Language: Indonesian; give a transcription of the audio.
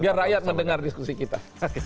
biar rakyat mendengar diskusi kita